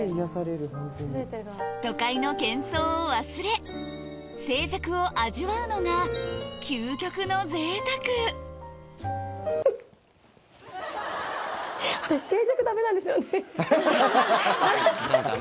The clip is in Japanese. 都会の喧騒を忘れ静寂を味わうのがハハハ！